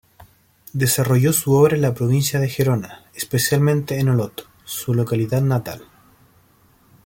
Desarrolló su obra en la provincia de Gerona, especialmente en Olot, su localidad natal.